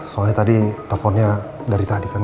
soalnya tadi teleponnya dari tadi kan